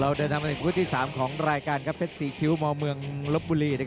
รัฐีฟอร์แพทซีคิวมอเมืองรับบุหรี่